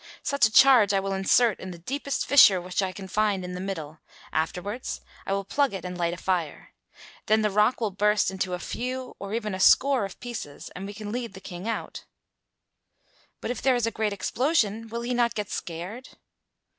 Such a charge I will insert in the deepest fissure which I can find in the middle; afterwards I will plug it and light a fire. Then the rock will burst into a few or even a score of pieces and we can lead the King out." "But if there is a great explosion, will he not get scared?"